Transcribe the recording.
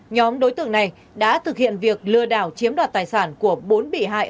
nhóm đối tượng này đã thực hiện việc lừa đảo chiếm đoạt tài sản của bốn bị hại